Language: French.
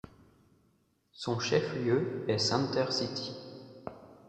Son chef-lieu est Center City.